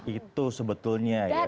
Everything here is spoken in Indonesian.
itu sebetulnya ya